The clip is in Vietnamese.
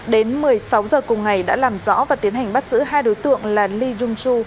đến một mươi sáu giờ cùng ngày đã làm rõ và tiến hành bắt giữ hai đối tượng là lee jung soo